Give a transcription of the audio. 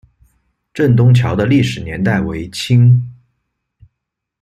镇东桥的历史年代为清。